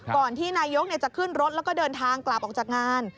ก่อนที่นายกจะขึ้นรถแล้วก็เดินทางกลับออกจากงาน